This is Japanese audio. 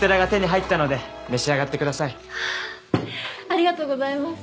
ありがとうございます。